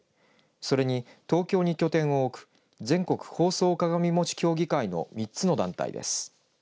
それに、東京に拠点を置く全国包装鏡餅協議会の３つの団体です。